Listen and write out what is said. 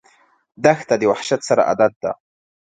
دښته د وحشت سره عادت ده.